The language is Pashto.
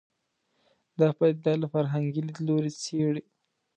دا پدیده له فرهنګي لید لوري څېړي